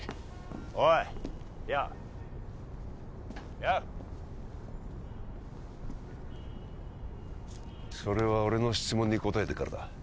おいそれは俺の質問に答えてからだ